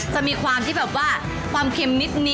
จะมีความที่แบบว่าความเค็มนิด